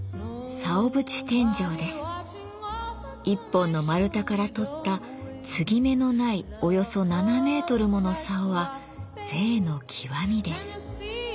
一本の丸太からとった継ぎ目のないおよそ７メートルもの竿は贅の極みです。